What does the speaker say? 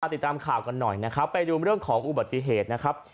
ติดตามข่าวกันหน่อยนะครับไปดูเรื่องของอุบัติเหตุนะครับ